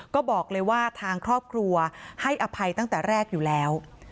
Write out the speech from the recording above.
ก็บอกเลยว่าทางครอบครัวให้อภัยตั้งแต่แรกอยู่แล้ว